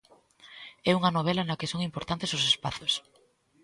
É unha novela na que son importantes os espazos.